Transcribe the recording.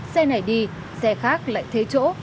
xe này đi xe khác lại thế chỗ